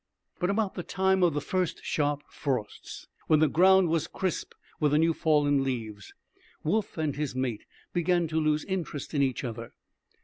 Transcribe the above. But about the time of the first sharp frosts, when the ground was crisp with the new fallen leaves, Woof and his mate began to lose interest in each other.